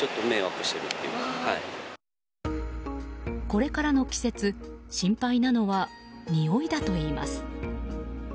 これからの季節、心配なのはにおいだといいます。